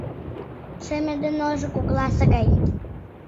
Шеме ден ошо кокласе гай.